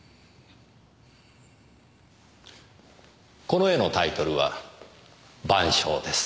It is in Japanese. この絵のタイトルは『晩鐘』です。